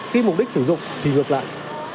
khi mục đích sử dụng thì ngược lại